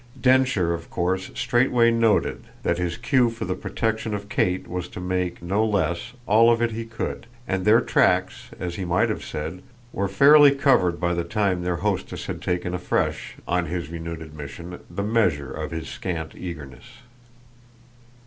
Densher of course straightway noted that his cue for the protection of Kate was to make, no less, all of it he could; and their tracks, as he might have said, were fairly covered by the time their hostess had taken afresh, on his renewed admission, the measure of his scant eagerness.